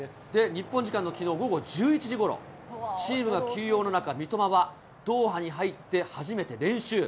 日本時間のきのう午後１１時ごろ、チームが休養の中、三笘はドーハに入って初めて練習。